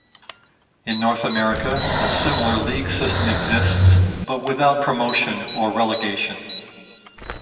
In North America, a similar league system exists, but without promotion or relegation.